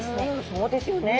そうですよね。